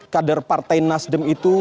kader partai nasdem itu